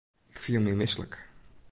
Ik fiel my mislik.